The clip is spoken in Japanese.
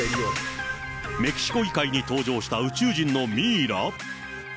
メキシコ議会に登場した宇宙人のミイラ。